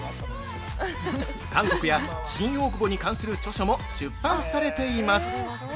韓国や新大久保に関する著書も出版されています。